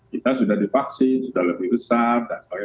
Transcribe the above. kita sudah divaksin sudah lebih besar dan sebagainya